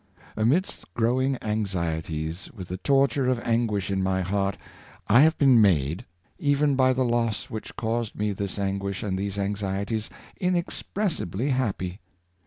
Amidst growing anx ieties, with the torture of anguish in my heart, I have been made, even by the loss which caused me this an guish and these anxieties, inexpressibly happy!